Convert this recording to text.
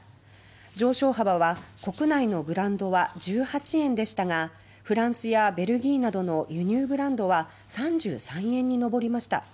上昇幅は国内のブランドは１８円でしたがフランスやベルギーなどの輸入ブランドは３３円に上りました。